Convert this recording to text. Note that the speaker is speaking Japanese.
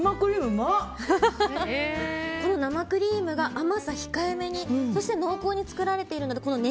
この生クリームが甘さ控えめでそして濃厚に作られているのでね